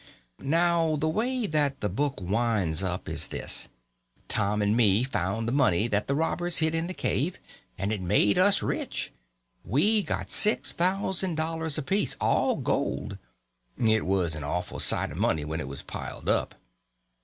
Now the way that the book winds up is this: Tom and me found the money that the robbers hid in the cave, and it made us rich. We got six thousand dollars apiece—all gold. It was an awful sight of money when it was piled up.